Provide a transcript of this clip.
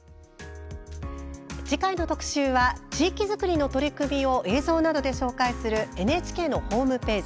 次回の特集は地域作りの取り組みを映像などで紹介するＮＨＫのホームページ